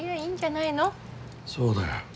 そうだよ。